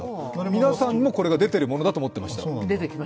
皆さんもこれが出てるものだと思ってました。